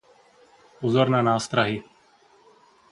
Pozor na nástrahy.